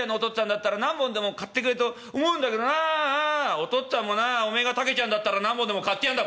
「お父っつぁんもなおめえがタケちゃんだったら何本でも買ってやんだ